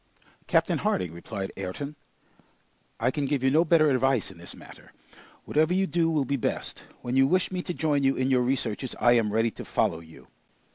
"Captain Harding," replied Ayrton, "I can give you no better advice in this matter. Whatever you do will be best; when you wish me to join you in your researches, I am ready to follow you.